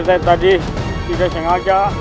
kicurani tadi tidak sengaja